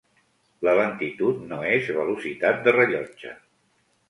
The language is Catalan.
La lentitud no és velocitat de rellotge.